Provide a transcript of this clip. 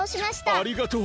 ありがとう！